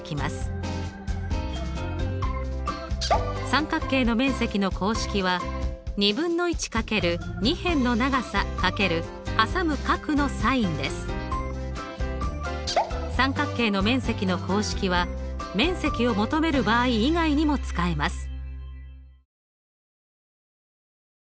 三角形の面積の公式は三角形の面積の公式は面積を求める場合以外にも使えます。